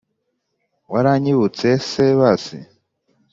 waranyibutse se basi